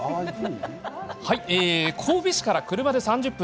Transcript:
神戸市から車で３０分。